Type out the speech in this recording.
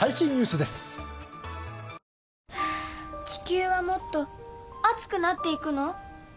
地球はもっと熱くなっていくの？